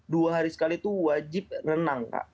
dua hari sekali itu wajib renang kak